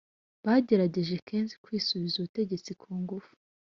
bagerageje kenshi kwisubiza ubutegetsi ku ngufu